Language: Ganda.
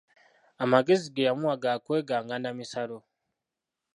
Amagezi ge yamuwa ga kweganga n'amisalo.